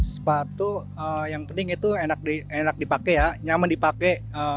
sepatu yang penting itu enak dipakai ya nyaman dipakai